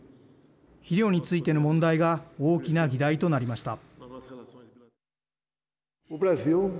肥料についての問題が大きな議題となりました。